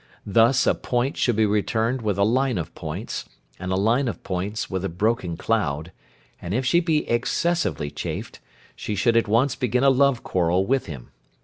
Thus a 'point' should be returned with a 'line of points,' and a 'line of points' with a 'broken cloud,' and if she be excessively chafed, she should at once begin a love quarrel with him.